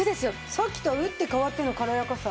さっきとは打って変わっての軽やかさ。